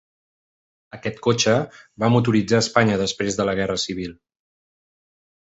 Aquest cotxe va motoritzar Espanya després de la Guerra Civil.